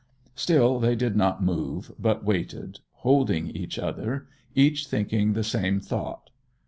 Still they did not move, but waited, holding each other, each thinking the same thought.